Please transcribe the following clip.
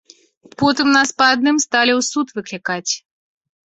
Потым нас па адным сталі ў суд выклікаць.